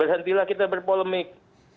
berhentilah kita berpolemik